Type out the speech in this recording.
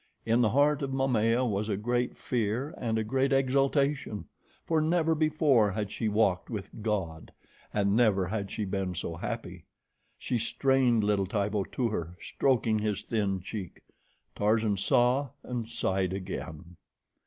In the heart of Momaya was a great fear and a great exultation, for never before had she walked with God, and never had she been so happy. She strained little Tibo to her, stroking his thin cheek. Tarzan saw and sighed again.